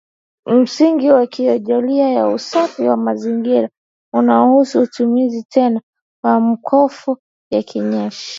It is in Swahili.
Msingi wa ikolojia ya usafi wa mazingira unahusu utumizi tena wa mkofo na kinyesi